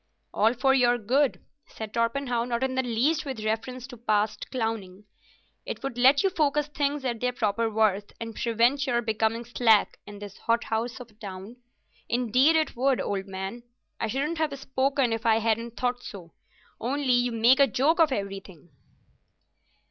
"All for your good," said Torpenhow, not in the least with reference to past clowning. "It would let you focus things at their proper worth and prevent your becoming slack in this hothouse of a town. Indeed it would, old man. I shouldn't have spoken if I hadn't thought so. Only, you make a joke of everything."